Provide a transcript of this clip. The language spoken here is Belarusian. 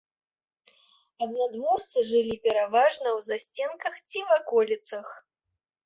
Аднадворцы жылі пераважна ў засценках ці ваколіцах.